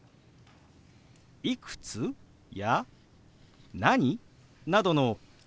「いくつ？」や「何？」などのＷｈー